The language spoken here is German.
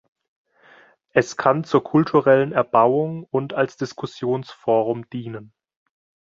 Es kann zur kulturellen Erbauung und als Diskussionsforum dienen.